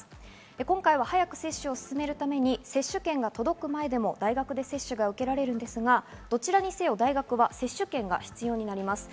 今回は早く接種を進めるために接種券が届く前でも大学で接種が受けられるんですが、どちらにせよ大学は接種券が必要になります。